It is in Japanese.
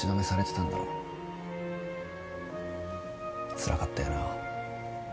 つらかったよな。